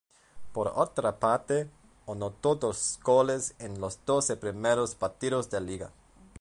Por otra parte, anotó dos goles en los doce primeros partidos de Liga.